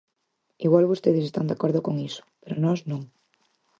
Igual vostedes están de acordo con iso, pero nós non.